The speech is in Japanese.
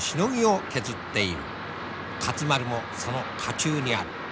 勝丸もその渦中にある。